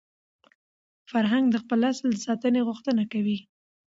فرهنګ د خپل اصل د ساتني غوښتنه کوي.